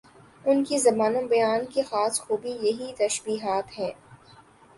ان کی زبان و بیان کی خاص خوبی یہی تشبیہات ہی